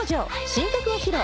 新曲を披露。